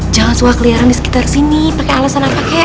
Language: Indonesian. jangan suka keliaran disekitar sini pake alasan apa kek